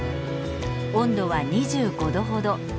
温度は２５度ほど。